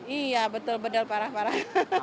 iya betul betul parah parah